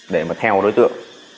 để mà theo đối tượng